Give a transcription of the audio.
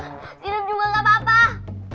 kirim juga gak apa apa